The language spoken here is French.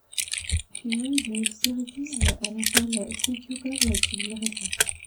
Férue de spiritisme, elle appelle Fédioukov qui lui répond.